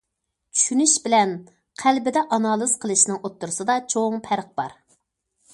چۈشىنىش بىلەن قەلبىدە ئانالىز قىلىشنىڭ ئوتتۇرىسىدا چوڭ پەرق بار.